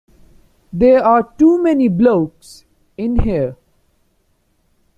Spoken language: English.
There are too many blokes in here.